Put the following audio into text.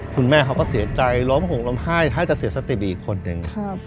คุณแม่เขาก็เสียใจร้องห่มร้องไห้ถ้าจะเสียสติบีอีกคนนึง